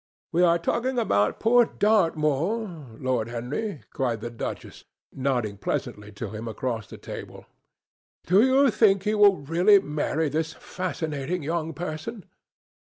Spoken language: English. "We are talking about poor Dartmoor, Lord Henry," cried the duchess, nodding pleasantly to him across the table. "Do you think he will really marry this fascinating young person?"